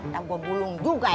takut gue bulung juga ya